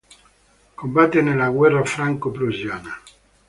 Combatté nella guerra franco-prussiana.